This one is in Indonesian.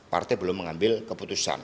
partai belum mengambil keputusan